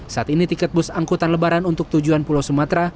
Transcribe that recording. saat ini tiket bus angkutan lebaran untuk tujuan pulau sumatera